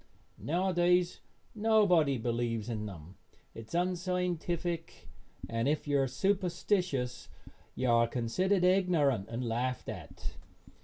Nowadays nobody believes in them. It is unscientific, and if you are superstitious you are considered ignorant and laughed at.